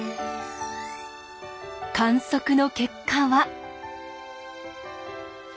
観測の結果は。